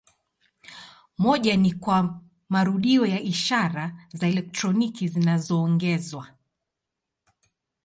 Moja ni kwa marudio ya ishara za elektroniki zinazoongezwa.